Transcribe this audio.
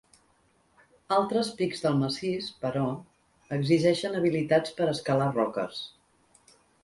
Altres pics del massís, però, exigeixen habilitats per a escalar roques.